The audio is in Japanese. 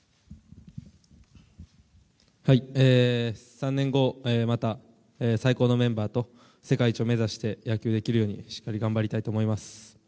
３年後また最高のメンバーと世界一を目指して野球をできるようにしっかり頑張りたいと思います。